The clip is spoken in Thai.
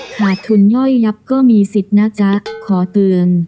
ขาดทุนย่อยลับก็มีสิทธิ์นะจ๊ะขอเตือน